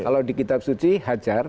kalau di kitab suci hajar